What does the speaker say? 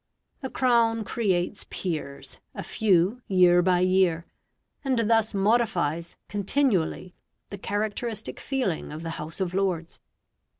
The Crown creates peers, a few year by year, and thus modifies continually the characteristic feeling of the House of Lords.